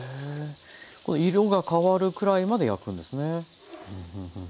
この色が変わるくらいまで焼くんですね。